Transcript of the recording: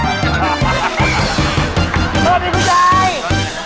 ไปละไปละไป